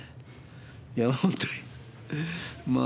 いや本当にまあ